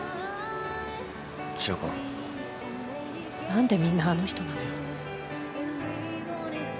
何でみんなあの人なのよ？